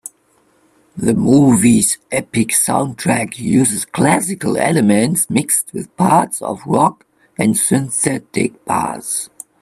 The movie's epic soundtrack uses classical elements mixed with parts of rock and synthetic bass.